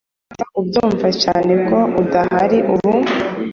Kuva ubyumva cyane ko adahari ubu